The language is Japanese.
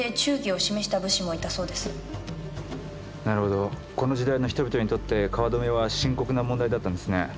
なるほどこの時代の人々にとって川留めは深刻な問題だったんですね。